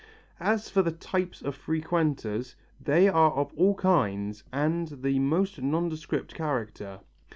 As for the types of frequenters, they are of all kinds and the most nondescript character.